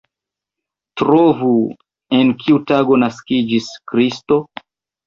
Trovu, en kiu tago naskiĝis Kristo?